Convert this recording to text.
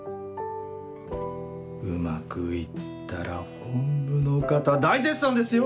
うまく行ったら本部の方大絶賛ですよ